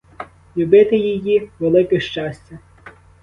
Любити її — велике щастя.